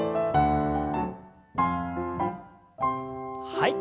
はい。